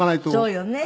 そうよね。